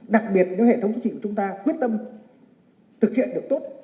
đặc biệt với hệ thống chính trị của chúng ta quyết tâm thực hiện được tốt